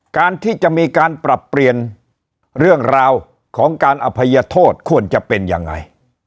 การที่จะมีการปรับเปลี่ยนเรื่องราวของการอภัยโทษควรจะเป็นยังไง